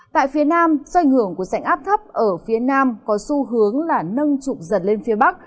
tại phía nam do ảnh hưởng của sảnh áp thấp ở phía nam có xu hướng là nâng trụng giật lên phía bắc